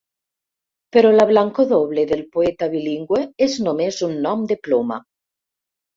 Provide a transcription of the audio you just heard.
Però la blancor doble del poeta bilingüe és només un nom de ploma.